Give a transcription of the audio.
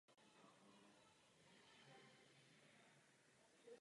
Známá se stala rolí Pepper v druhé a čtvrté řadě seriálu "American Horror Story".